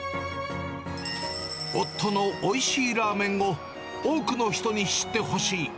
夫のおいしいラーメンを、多くの人に知ってほしい。